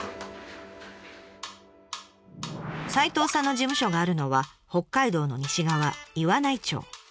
齋藤さんの事務所があるのは北海道の西側岩内町。